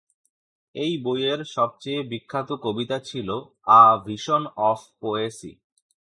এই বইয়ের সবচেয়ে বিখ্যাত কবিতা ছিল "আ ভিশন অফ পোয়েসি"।